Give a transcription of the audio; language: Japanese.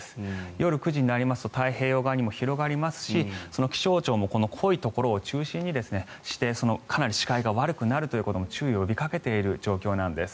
夜９時になりますと太平洋側にも広がりますし気象庁の濃いところを中心に視程かなり視界が悪くなることも注意を呼びかけている状況なんです。